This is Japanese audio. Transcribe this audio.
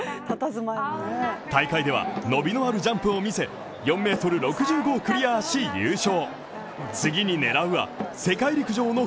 大会では、伸びのあるジャンプを見せ、４ｍ６５をクリアし優勝